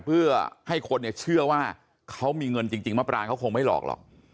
เพื่อให้คนเนี่ยเชื่อว่าเขามีเงินจริงมะปรางเขาคงไม่หลอกหรอก